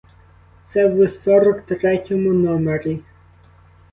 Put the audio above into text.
Це в сорок третьому номері.